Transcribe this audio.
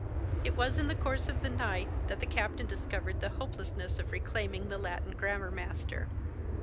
It was in the course of the night that the captain discovered the hopelessness of reclaiming the Latin grammar master.